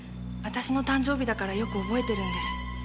私の誕生日だからよく覚えてるんです。